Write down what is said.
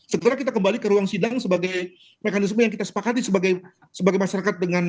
segera kita kembali ke ruang sidang sebagai mekanisme yang kita sepakati sebagai masyarakat dengan